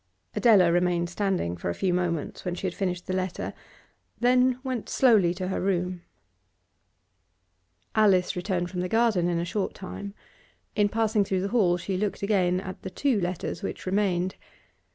Adela remained standing for a few moments when she had finished the letter, then went slowly to her room. Alice returned from the garden in a short time. In passing through the hall she looked again at the two letters which remained.